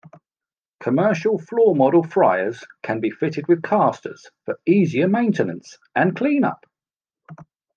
Commercial floor-model fryers can be fitted with casters for easier maintenance and cleanup.